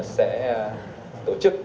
sẽ tổ chức